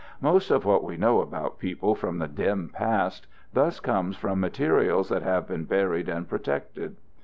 Most of what we know about peoples from the dim past thus comes from materials that have been buried and protected.